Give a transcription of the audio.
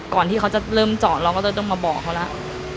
ก่อนที่เขาจะเริ่มจอดเราก็จะต้องมาบอกเขาแล้ว